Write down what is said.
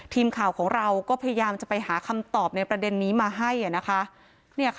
ทีมข่าวของเราก็พยายามจะไปหาคำตอบในประเด็นนี้มาให้นะคะ